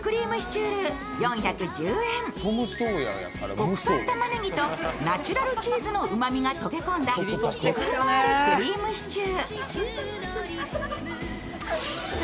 国産たまねぎとナチュラルチーズのうまみが溶け込んだこくのあるクリームシチュー。